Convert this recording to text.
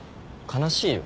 悲しいよ。